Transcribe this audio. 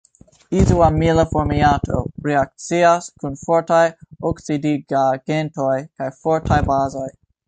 Izoamila formiato reakcias kun fortaj oksidigagentoj kaj fortaj bazoj.